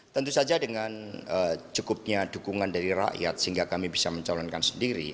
tentu saja dengan cukupnya dukungan dari rakyat sehingga kami bisa mencalonkan sendiri